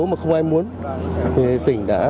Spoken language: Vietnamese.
mà không ai muốn tỉnh đã